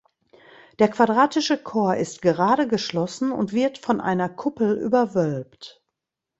Der quadratische Chor ist gerade geschlossen und wird von einer Kuppel überwölbt.